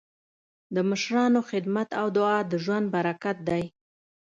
د مشرانو خدمت او دعا د ژوند برکت دی.